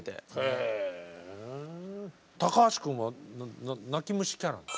へぇ高橋くんは泣き虫キャラ？